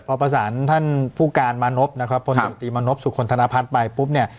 พอประสานท่านผู้การมานบนะครับครับพนธนตรีมานบสู่คนธนพันธ์ไปปุ๊บเนี่ย